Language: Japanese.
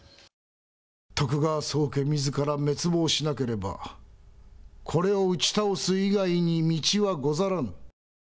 徳川宗家みずから滅亡しなければこれを打ち倒す以外に道はござらん。